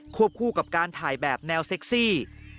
คู่กับการถ่ายแบบแนวเซ็กซี่